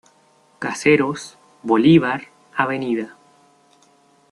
Caseros, Bolívar, Av.